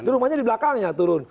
rumahnya di belakangnya turun